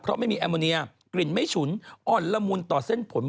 เพราะไม่มีแอมโมเนียกลิ่นไม่ฉุนอ่อนละมุนต่อเส้นผม